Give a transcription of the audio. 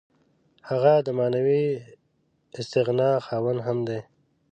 هغه د معنوي استغنا خاوند هم دی.